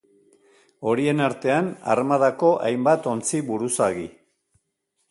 Horien artean armadako hainbat ontzi-buruzagi.